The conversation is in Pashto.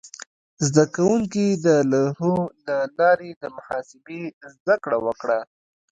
زده کوونکي د لوحو له لارې د محاسبې زده کړه وکړه.